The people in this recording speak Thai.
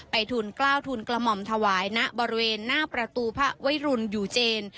ทุนกล้าวทุนกระหม่อมถวายณบริเวณหน้าประตูพระไว้รุนอยู่เจน